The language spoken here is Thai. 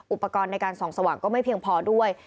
อุปกรณ์ในการส่องสว่างก็ไม่เพียงพอด้วย